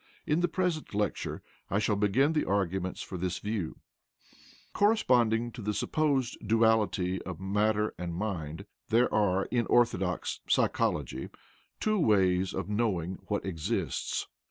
In the present lecture I shall begin the arguments for this view. Corresponding to the supposed duality of matter and mind, there are, in orthodox psychology, two ways of knowing what exists.